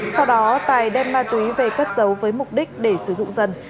sau đó tài đem ma túy về cất giấu với mục đích để sử dụng dần